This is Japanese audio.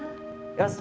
よし！